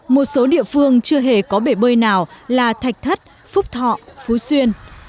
một số địa phương chưa hề có bể bơi nào là thạch thất phúc thọ phú xuyên